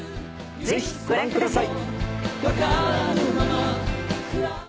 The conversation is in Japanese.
ぜひご覧ください。